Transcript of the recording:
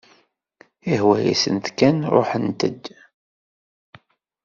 Ihwa-yasent kan ruḥent-d.